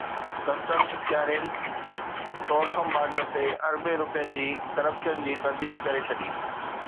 custom اختيارين Torkham border تي اربين رپين جي ڪرپشن جي ترديد ڪري ڇڏي